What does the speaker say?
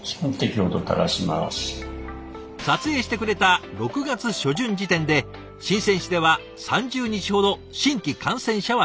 撮影してくれた６月初旬時点で深市では３０日ほど新規感染者はゼロ。